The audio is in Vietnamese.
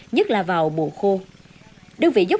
nhất là vào mùa khô